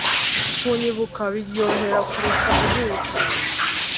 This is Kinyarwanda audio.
kunyibuka biryohera kurusha ubuki,